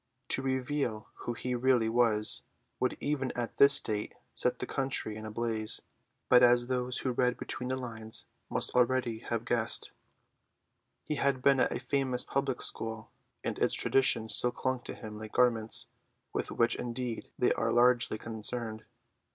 To reveal who he really was would even at this date set the country in a blaze; but as those who read between the lines must already have guessed, he had been at a famous public school; and its traditions still clung to him like garments, with which indeed they are largely concerned.